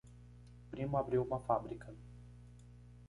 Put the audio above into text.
Primo abriu uma fábrica